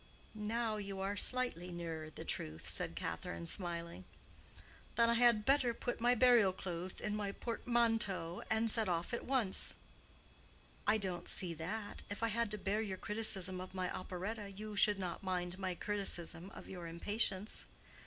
"Now you are slightly nearer the truth," said Catherine, smiling. "Then I had better put my burial clothes in my portmanteau and set off at once." "I don't see that. If I have to bear your criticism of my operetta, you should not mind my criticism of your impatience."